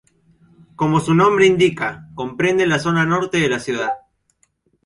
Como su nombre indica, comprende la zona norte de la ciudad.